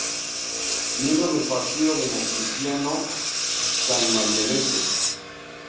Miembro del Partido Democristiano Sanmarinense.